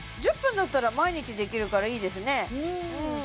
１０分だったら毎日できるからいいですね